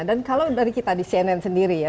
dan kalau dari kita di cnn sendiri ya